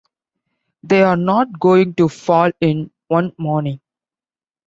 They are not going to fall in one morning.